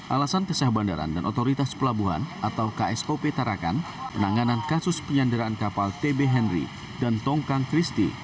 alasan kesah bandaran dan otoritas pelabuhan atau ksop tarakan penanganan kasus penyanderaan kapal tb henry dan tongkang christi